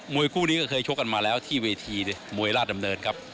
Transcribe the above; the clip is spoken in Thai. วยคู่นี้ก็เคยชกกันมาแล้วที่เวทีมวยราชดำเนินครับ